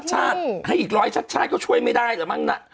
โอ้โฮอ๋อให้อีกร้อยชัดก็ช่วยไม่ได้เหรอมั่งนะ